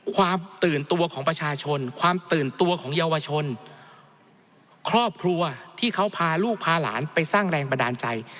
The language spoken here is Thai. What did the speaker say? ความตื่นตัวของประชาชนความตื่นตัวของเยาวชนครอบครัวที่เขาพาลูกพาหลานไปสร้างแรงบันดาลใจ